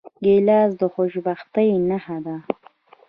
ګیلاس د خوشبختۍ نښه ده.